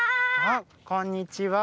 あっこんにちは。